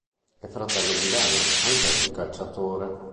È fratello di Daniel, anch'egli calciatore.